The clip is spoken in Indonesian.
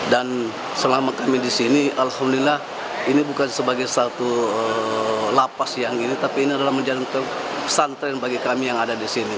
dan selama kami di sini alhamdulillah ini bukan sebagai satu lapas yang ini tapi ini adalah pesantren bagi kami yang ada di sini